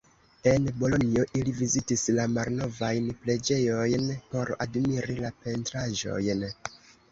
En Bolonjo ili vizitis la malnovajn preĝejojn por admiri la pentraĵojn.